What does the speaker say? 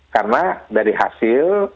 karena dari hasil